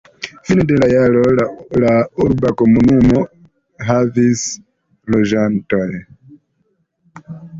Fine de la jaro la urba komunumo havis loĝantojn.